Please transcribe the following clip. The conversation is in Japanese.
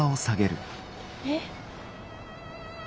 えっ？